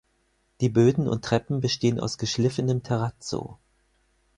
Die Böden und Treppen bestehen aus geschliffenem Terrazzo.